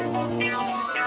enggak ada semuanya